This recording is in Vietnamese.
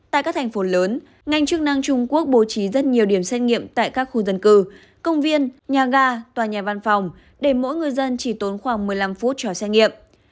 tại các thành phố lớn ngành chức năng trung quốc bố trí rất nhiều điểm xét nghiệm tại các khu dân cư công viên nhà ga tòa nhà văn phòng để mỗi người dân chỉ tốn khoảng một mươi năm phút cho xét nghiệm